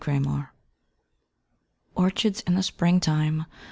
ORCHARDS Orchards in the Spring time!